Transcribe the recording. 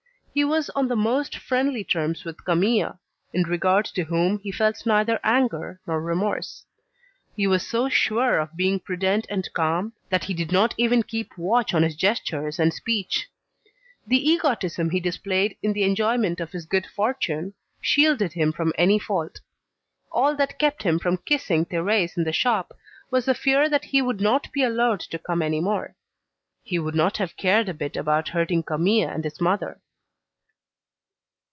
He was on the most friendly terms with Camille, in regard to whom he felt neither anger nor remorse. He was so sure of being prudent and calm that he did not even keep watch on his gestures and speech. The egotism he displayed in the enjoyment of his good fortune, shielded him from any fault. All that kept him from kissing Thérèse in the shop was the fear that he would not be allowed to come any more. He would not have cared a bit about hurting Camille and his mother.